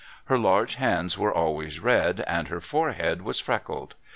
Her large hands were always red, and her forehead was freckled.